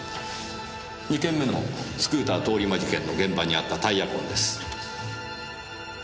２件目のスクーター通り魔事件の現場にあったタイヤ痕です。